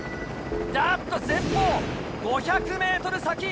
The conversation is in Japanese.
あっと前方５００ｍ先！